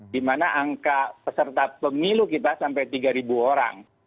di mana angka peserta pemilu kita sampai tiga orang